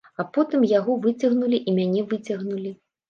А потым яго выцягнулі і мяне выцягнулі.